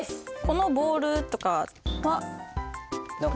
このボールとかは何？